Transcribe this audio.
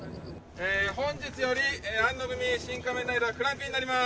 本日より庵野組「シン・仮面ライダー」クランクインになります。